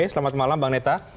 selamat malam bang neta